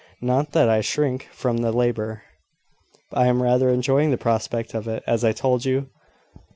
Not that I shrink from the labour: I am rather enjoying the prospect of it, as I told you.